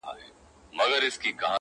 چاته يادي سي كيسې په خـامـوشۍ كــي.